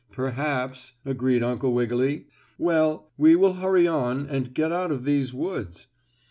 "Perhaps," agreed Uncle Wiggily. "Well, we will hurry on, and get out of these woods."